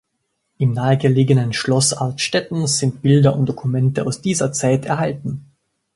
Im nahegelegenen Schloss Artstetten sind Bilder und Dokumente aus dieser Zeit erhalten.